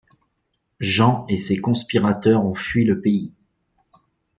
Jean et ses conspirateurs ont fui le pays.